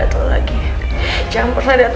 meski dia sudah cukup sedap